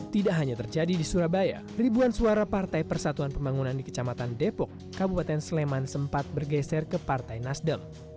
tidak hanya terjadi di surabaya ribuan suara partai persatuan pembangunan di kecamatan depok kabupaten sleman sempat bergeser ke partai nasdem